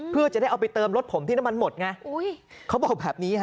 เพื่อจะได้เอาไปเติมรถผมที่น้ำมันหมดไงอุ้ยเขาบอกแบบนี้ฮะ